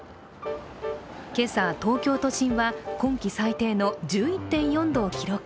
今朝、東京都心は今季最低の１１．４度を記録。